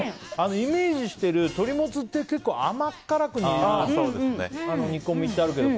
イメージしてる鶏もつって結構あまっからい煮込みってあるけど。